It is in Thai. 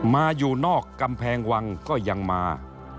อยู่นอกกำแพงวังก็ยังมา